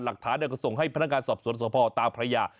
หลักฐานก็ส่งให้พนักงานสอบสวนสภตาพระยา